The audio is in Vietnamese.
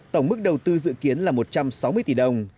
tổng mức đầu tư dự kiến là một trăm sáu mươi tỷ đồng